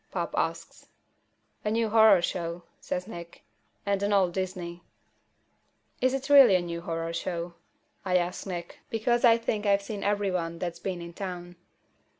Pop asks. "A new horror show," says Nick. "And an old Disney." "Is it really a new horror show?" I ask Nick, because I think I've seen every one that's been in town.